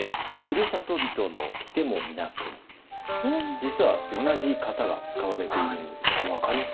実は同じ型が使われているんですが分かります？